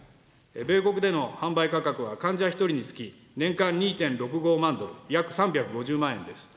米国での販売価格は患者１人につき年間２．６５万ドル、約３５０万円です。